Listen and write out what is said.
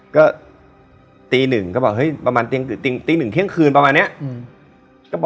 ก็ตีหนึ่งเที่ยงคืนประมาณเนี้ย